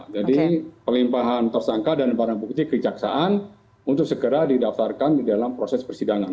jadi pelimpahan tersangka dan barang bukti ke jaksaan untuk segera didaftarkan di dalam proses persidangan